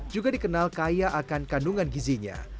juga dikenal kaya akan kandungan gizinya